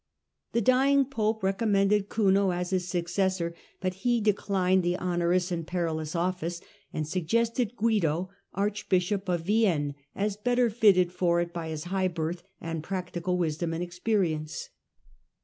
The dying pope recommended Kuno as his suo cessor, but he declined the onerous and perilous office, and suggested Guido, archbishop of Vienne, as better fitted for it by his high birth, and practical wisdom and experience.